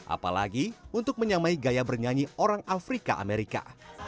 apalagi untuk menyamai gaya bernyanyi orang afrika amerika